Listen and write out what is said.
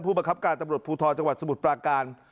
ผู้บังคับการตำรวจภูทิ์ภูทธ์จังหวัดศมุติปราการ